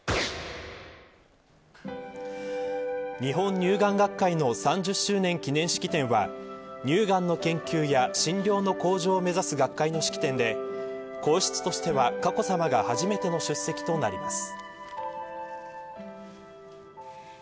日本乳癌学会の３０周年記念式典は乳がんの研究や診療の向上を目指す学会の式典で皇室としては佳子さまが初めての出席となります。